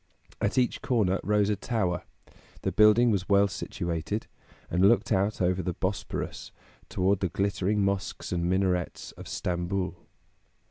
At each corner rose a tower; the building was well situated, and looked out over the Bosporus toward the glittering mosques and minarets of Stamboul.